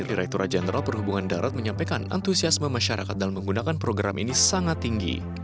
direkturat jenderal perhubungan darat menyampaikan antusiasme masyarakat dalam menggunakan program ini sangat tinggi